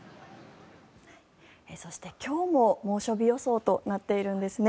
そして、今日も猛暑日予想となっているんです。